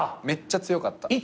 めっちゃ強かった。